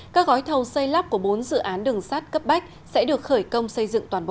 các gói thầu xây lắp của bốn dự án đường sát cấp bách sẽ được khởi công xây dựng toàn bộ